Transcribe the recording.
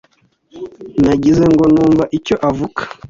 Nagize ngo ntumva icyo avuga.